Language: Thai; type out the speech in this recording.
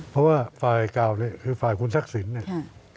เพราะว่าฝ่ายเก่าคือฝ่ายคุณทักศิลป์เนี่ย